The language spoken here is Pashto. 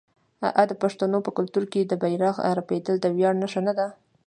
آیا د پښتنو په کلتور کې د بیرغ رپیدل د ویاړ نښه نه ده؟